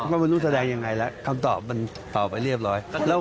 ก็ไม่รู้แสดงยังไงแล้วคำตอบมันต่อไปเรียบร้อย